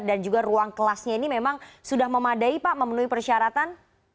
dan juga ruang kelasnya ini memang sudah memadai pak memenuhi persyaratan